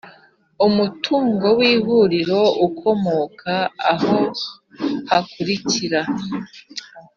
Umutungo w Ihuriro ukomoka aha hakurikira